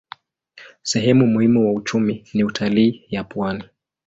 Sehemu muhimu wa uchumi ni utalii ya pwani.